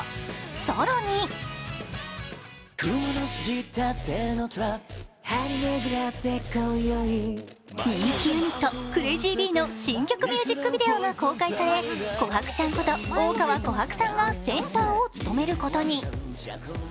更に人気ユニット「Ｃｒａｚｙ：Ｂ」の新曲ミュージックビデオが公開されこはくちゃんこと桜河こはくさんがセンターを務めることに。